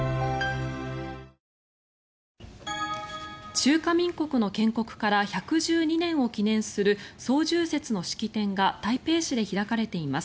中華民国の建国から１１２年を記念する双十節の式典が台北市で開かれています。